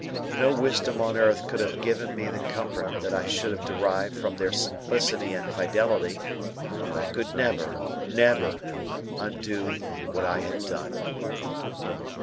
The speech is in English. No wisdom on earth could have given me the comfort that I should have derived from their simplicity and fidelity; but I could never, never, undo what I had done.